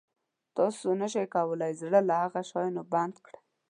تاسو نه شئ کولای زړه له هغه شیانو بند کړئ.